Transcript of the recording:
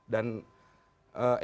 dan indonesia ini negara yang berpengaruh